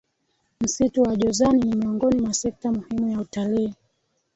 Msitu wa Jozani ni miongoni mwa sekta muhimu ya utalii